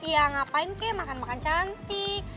ya ngapain kayak makan makan cantik